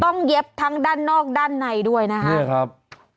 ต้องเย็บทั้งด้านนอกด้านในด้วยนะครับนี่แหละครับ